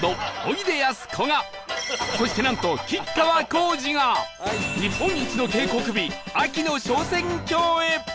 そしてなんと吉川晃司が日本一の渓谷美秋の昇仙峡へ